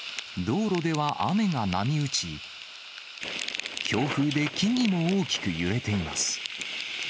道路では雨が波打ち、強風で木々も大きく揺れています。